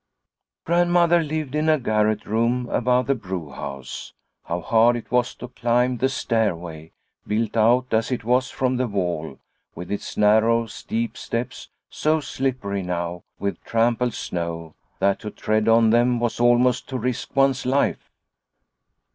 Grandmother lived in a garret room above the brewhouse. How hard it was to climb the stairway, built out, as it was, from the wall, with its narrow steep steps so slippery now with trampled snow that to tread on them was almost to risk one's life.